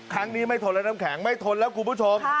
ครั้งนี้ไม่ทนแล้วน้ำแข็งไม่ทนแล้วคุณผู้ชม